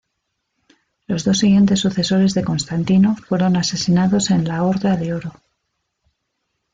Los dos siguientes sucesores de Constantino fueron asesinados en la Horda de Oro.